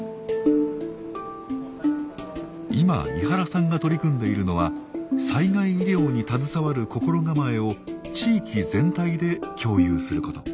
今井原さんが取り組んでいるのは災害医療に携わる心構えを地域全体で共有すること。